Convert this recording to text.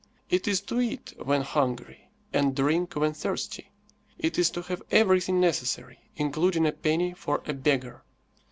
It is to eat when hungry and drink when thirsty. It is to have everything necessary, including a penny for a beggar.